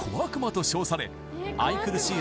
と称され愛くるしい